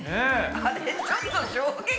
あれちょっと衝撃。